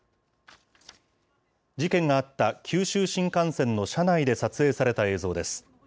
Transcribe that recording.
事件があった九州新幹線の車内で撮影された映像です。